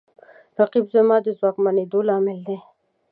رقیب زما د ځواکمنېدو لامل دی